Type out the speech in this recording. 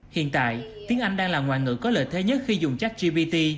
hiện tại tiếng anh đang là ngoại ngữ có lợi thế nhất khi dùng chắc gpt